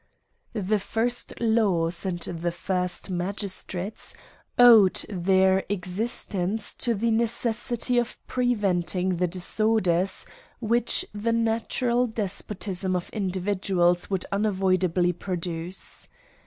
The first laws and the first magistrates owed their existence to the necessity of preventing the disorders which the natural despotism of indivi duals would unavoidably produce.